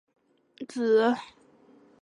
主要角色有芳山和子。